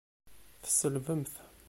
Tselbemt!